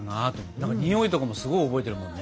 何かにおいとかもすごい覚えてるもんね。